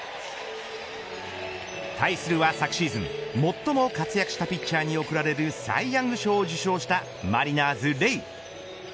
対するは、昨シーズン最も活躍したピッチャーに贈られるサイヤング賞を受賞したマリナーズ、レイ。